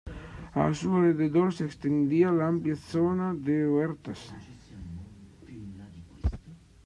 A su alrededor se extendía la amplia zona de huertas.